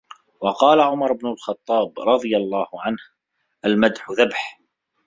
وَقَالَ عُمَرُ بْنُ الْخَطَّابِ رَضِيَ اللَّهُ عَنْهُ الْمَدْحُ ذَبْحُ